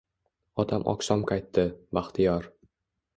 … Otam oqshom qaytdi – bahtiyor